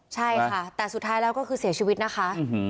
ใช่ค่ะแต่สุดท้ายแล้วก็คือเสียชีวิตนะคะ